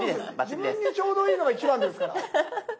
自分にちょうどいいのが一番ですから。